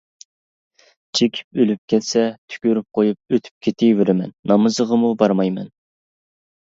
چېكىپ ئۆلۈپ كەتسە تۈكۈرۈپ قويۇپ ئۆتۈپ كېتىۋېرىمەن، نامىزىغىمۇ بارمايمەن.